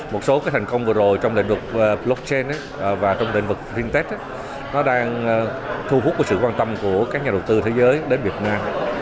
một số cái thành công vừa rồi trong lĩnh vực blockchain và trong lĩnh vực fintech nó đang thu hút một sự quan tâm của các nhà đầu tư thế giới đến việt nam